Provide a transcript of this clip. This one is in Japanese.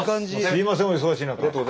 すいませんお忙しい中。